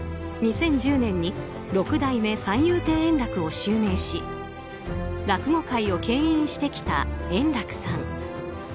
２０１０年に六代目三遊亭円楽を襲名し落語界を牽引してきた円楽さん。